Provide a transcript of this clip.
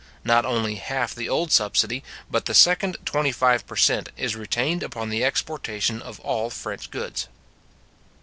Not only half the old subsidy, but the second twenty five per cent. is retained upon the exportation of all French goods.